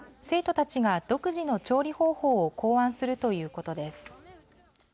たちが独自の調理方法を考案するということです。